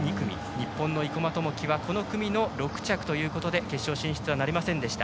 日本の生馬知季はこの組の６着ということで決勝進出はなりませんでした。